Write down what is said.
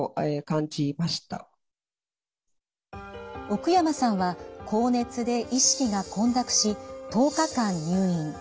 奥山さんは高熱で意識が混濁し１０日間入院。